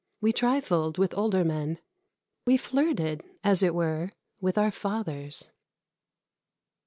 We trifled with older men. We flirted, as it were, with our fathers.